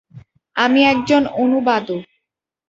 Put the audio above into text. আমি একজন অনুবাদক।